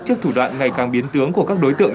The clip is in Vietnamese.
trước thủ đoạn ngày càng biến tướng của các đối tượng